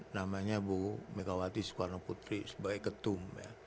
namanya bu megawati soekarno putri sebagai ketum